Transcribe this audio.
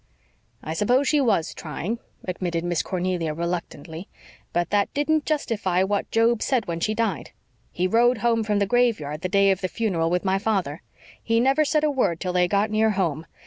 '" "I suppose she WAS trying," admitted Miss Cornelia reluctantly, "but that didn't justify what Job said when she died. He rode home from the graveyard the day of the funeral with my father. He never said a word till they got near home.